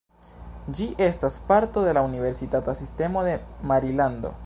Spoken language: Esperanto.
Ĝi estas parto de la Universitata Sistemo de Marilando.